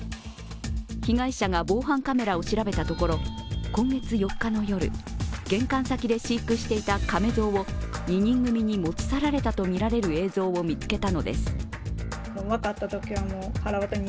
被害者が防犯カメラを調べたところ、今月４日の夜、玄関先で飼育していたかめぞうを２人組に持ち去られたとみられる映像を見つけたのです。